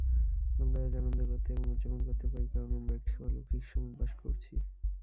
আমরা আজ আনন্দ করতে এবং উদযাপন করতে পারি কারণ আমরা একটি অলৌকিক সময়ে বাস করছি।